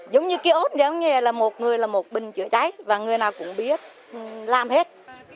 giống như kiosk giống như là một người là một bình chữa cháy và người nào cũng biết làm hết